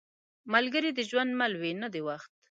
ملګری د ژوند مل وي، نه د وخت.